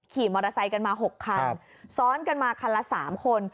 ขี่มอเตอร์ไซค์กันมา๖คัน